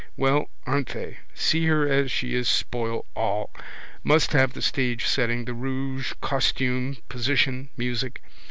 Well, aren't they? See her as she is spoil all. Must have the stage setting, the rouge, costume, position, music.